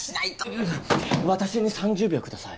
うぅ私に３０秒ください。